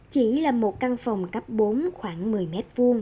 chỉ là một căn phòng cấp bốn khoảng một mươi m hai